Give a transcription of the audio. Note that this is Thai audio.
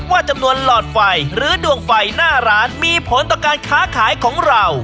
ว่าจำนวนหลอดไฟหรือดวงไฟหน้าร้านมีผลต่อการค้าขายของเรา